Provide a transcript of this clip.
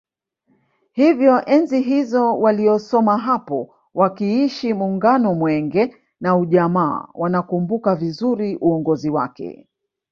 Hivyo enzi hizo waliosoma hapo wakiishi Muungano Mwenge na Ujamaa wanakumbuka vizuri uongozi wake